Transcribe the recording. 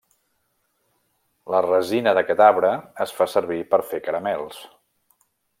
La resina d'aquest arbre es fa servir per fer caramels.